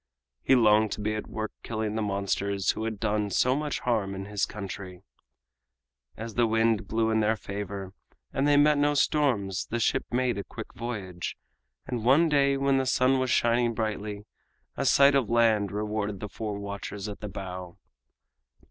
He longed to be at work killing the monsters who had done so much harm in his country. As the wind blew in their favor and they met no storms the ship made a quick voyage, and one day when the sun was shining brightly a sight of land rewarded the four watchers at the bow.